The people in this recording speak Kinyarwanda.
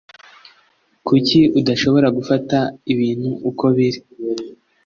Kuki udashobora gufata ibintu uko biri?